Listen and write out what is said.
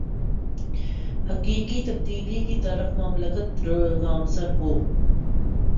حقیقی تبدیلی کی طرف مملکت گامزن ہو